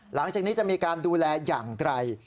หลังจากนี้จะมีการดูแลอย่างไกล